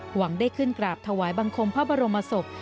หวังได้ขึ้นกราบถวายบังคมพระบรมศพ